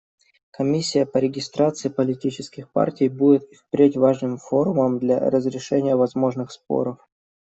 Комиссия по регистрации политических партий будет и впредь важным форумом для разрешения возможных споров.